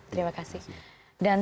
terima kasih dan